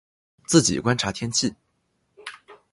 自己观察天气